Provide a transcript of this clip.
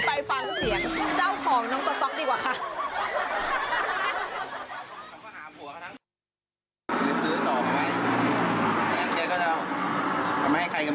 ไปฟังเสียงเจ้าของน้องกระต๊อกดีกว่าค่ะ